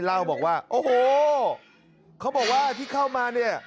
เล่าบอกว่าโอ้โหเขาบอกว่าที่เข้ามาเนี่ย